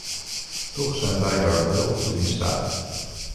Toch zijn wij daar wel toe in staat.